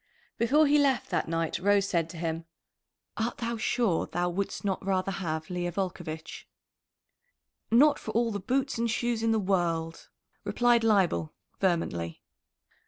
Before he left that night Rose said to him: "Art thou sure thou wouldst not rather have Leah Volcovitch?" "Not for all the boots and shoes in the world," replied Leibel vehemently.